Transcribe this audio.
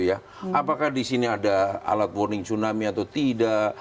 apakah disini ada alat warning tsunami atau tidak